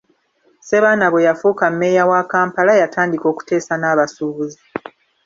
Ssebaana bwe yafuuka Mmeeya wa Kampala, yatandika okuteesa n'abasuubuzi.